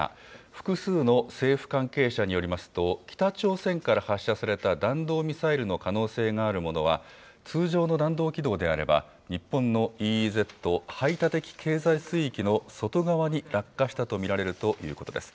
複数の政府関係者によりますと、北朝鮮から発射された弾道ミサイルの可能性のあるものは通常の弾道軌道であれば、日本のＥＥＺ・排他的経済水域の外側に落下したと見られるということです。